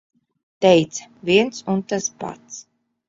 Teica - viens un tas pats.